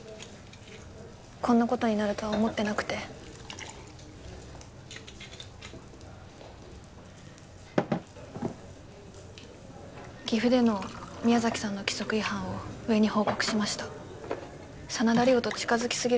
こんなことになるとは思ってなくて岐阜での宮崎さんの規則違反を上に報告しました真田梨央と近づきすぎるのは危険だと思ったんです